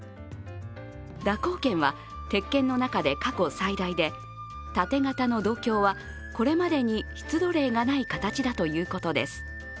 蛇行剣は鉄剣の中で過去最大で盾形の銅鏡はこれまでに出土例がない形だということです。